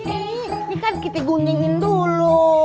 ini kan kita guningin dulu